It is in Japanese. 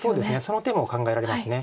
その手も考えられます。